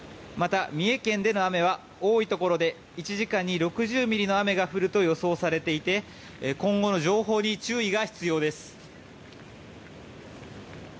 また、三重県での雨は多いところで１時間に６０ミリの雨が降ると予想されていて今後の情報に注意が必要です。